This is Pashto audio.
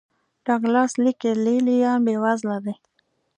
ډاګلاس لیکي لې لیان بېوزله دي.